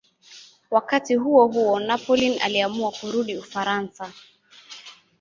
Wakati huohuo Napoleon aliamua kurudi Ufaransa.